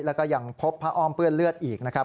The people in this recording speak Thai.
แล้วก็ยังพบผ้าอ้อมเปื้อนเลือดอีกนะครับ